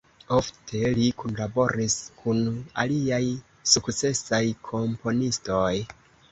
Ofte li kunlaboris kun aliaj sukcesaj komponistoj.